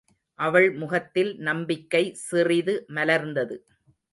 அவள் முகத்தில் நம்பிக்கை சிறிது மலர்ந்தது.